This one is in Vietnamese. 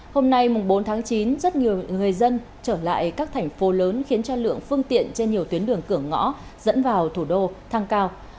hôm nay bốn tháng chín rất nhiều người dân trở lại các thành phố lớn khiến cho lượng phương tiện trên nhiều tuyến đường cửa ngõ dẫn vào thủ đô thăng cao